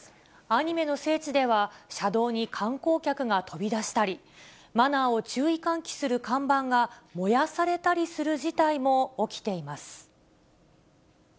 アニメの聖地では、車道に観光客が飛び出したり、マナーを注意喚起する看板が燃やされたりする事態も起きています。